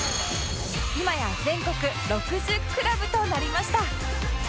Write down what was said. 今や全国６０クラブとなりました